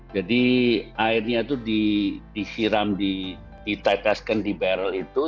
jadi airnya itu dihiram dititaskan di barrel itu